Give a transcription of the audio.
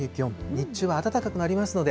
日中は暖かくなりますので。